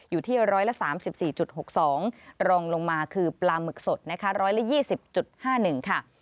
อยู่ที่๑๓๔๖๒รองลงมาคือปลาหมึกสดนะคะ๑๒๐๕๑ค่ะ